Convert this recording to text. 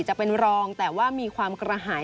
จะเป็นรองแต่ว่ามีความกระหาย